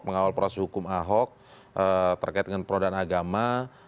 mengawal proses hukum ahok terkait dengan penodaan agama